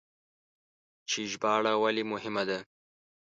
چې ژباړه ولې مهمه ده؟